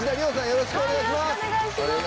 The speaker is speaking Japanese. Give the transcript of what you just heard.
よろしくお願いします。